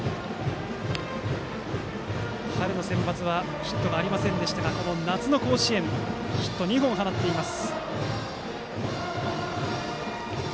春のセンバツはヒットがありませんでしたがこの夏の甲子園、ヒット２本放っています。